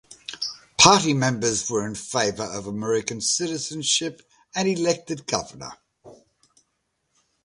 Party members were in favour of American citizenship and an elected Governor.